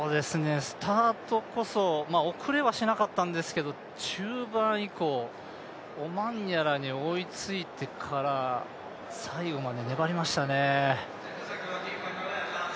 スタートこそ遅れはしなかったんですけど中盤以降、オマンヤラに追いついてから、最後まで粘りましたね。